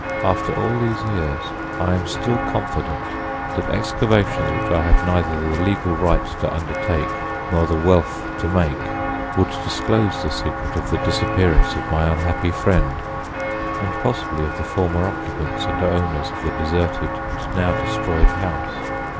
After all these years I am still confident that excavations which I have neither the legal right to undertake nor the wealth to make would disclose the secret of the disappearance of my unhappy friend, and possibly of the former occupants and owners of the deserted and now destroyed house.